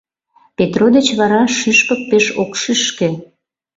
Петро деч вара шӱшпык пеш ок шӱшкӧ.